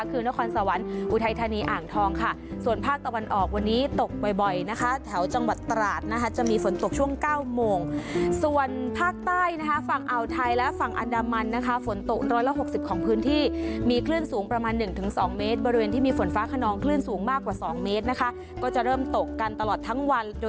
คือนครสวรรค์อุทัยธานีอ่างทองค่ะส่วนภาคตะวันออกวันนี้ตกบ่อยนะคะแถวจังหวัดตราดนะคะจะมีฝนตกช่วงเก้าโมงส่วนภาคใต้นะคะฝั่งอ่าวไทยและฝั่งอันดามันนะคะฝนตกร้อยละหกสิบของพื้นที่มีคลื่นสูงประมาณหนึ่งถึงสองเมตรบริเวณที่มีฝนฟ้าขนองคลื่นสูงมากกว่า๒เมตรนะคะก็จะเริ่มตกกันตลอดทั้งวันโดย